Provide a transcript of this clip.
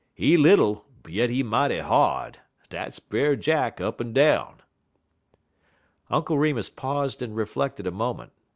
He little, yit he mighty hard. Dat's Brer Jack, up en down." Uncle Remus paused and reflected a moment.